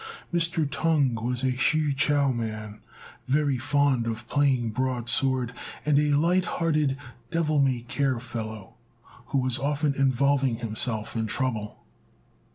Mr. Tung was a Hsü chou man, very fond of playing broad sword, and a light hearted, devil may care fellow, who was often involving himself in trouble.